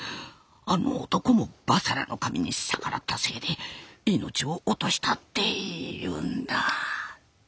あの男も婆娑羅の神に逆らったせいで命を落としたっていうんだ。